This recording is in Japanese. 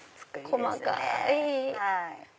細かい！